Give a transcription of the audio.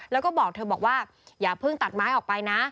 แล้วก็บอกเธอบอกว่าอย่าเพิ่งตัดไม้ออกไปนะ